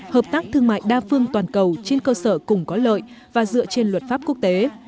hợp tác thương mại đa phương toàn cầu trên cơ sở cùng có lợi và dựa trên luật pháp quốc tế